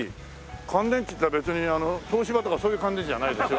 乾電池って別に東芝とかそういう乾電池じゃないですよ。